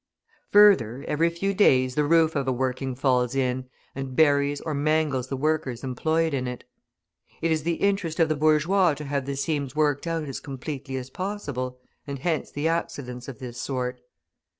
Further, every few days the roof of a working falls in, and buries or mangles the workers employed in it. It is the interest of the bourgeois to have the seams worked out as completely as possible, and hence the accidents of this sort.